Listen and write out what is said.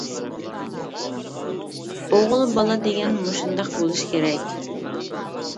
ئوغۇل بالا دېگەن مۇشۇنداق بولۇش كېرەك!